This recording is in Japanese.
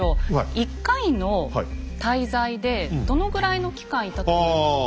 １回の滞在でどのぐらいの期間いたと思いますか？